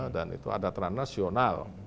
dan itu ada transnasional